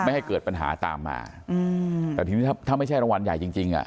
ให้เกิดปัญหาตามมาอืมแต่ทีนี้ถ้าถ้าไม่ใช่รางวัลใหญ่จริงจริงอ่ะ